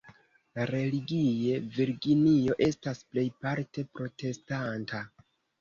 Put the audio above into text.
Religie, Virginio estas plejparte protestanta.